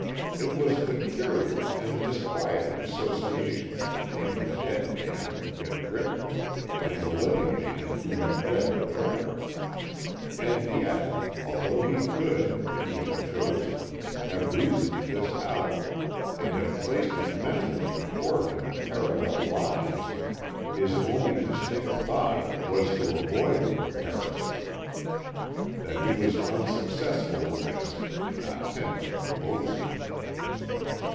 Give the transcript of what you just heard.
It was the curious and disquieting associations between the dead man who had written and the living man who had read the record. And yet, although he could, if he had chosen, have reasoned this out, and have placed it mentally before him in parallel lines, his only distinct thought was to avoid the comparison. That he was unsuccessful in this did not tend to compose him.